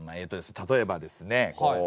例えばですね